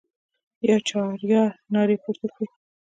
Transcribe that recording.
یا چهاریار نارې پورته کړې.